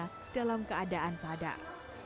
dan menemuinya dalam keadaan sadar